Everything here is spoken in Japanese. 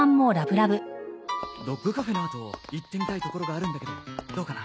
ドッグカフェのあと行ってみたい所があるんだけどどうかな？